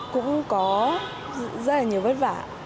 cũng có rất là nhiều vất vả